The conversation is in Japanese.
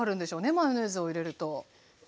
マヨネーズを入れると。